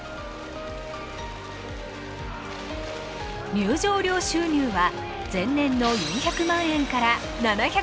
入場料収入は前年の４００万円から７００万円に。